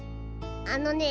あのね